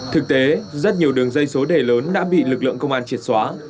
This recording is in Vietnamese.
thực tế rất nhiều đường dây số đề lớn đã bị lực lượng công an triệt xóa